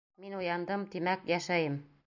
Мин уяндым, тимәк, йәшәйем.